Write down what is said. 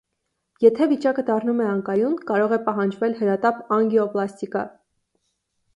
Եթե վիճակը դառնում է անկայուն, կարող է պահանջվել հրատապ անգիոպլաստիկա։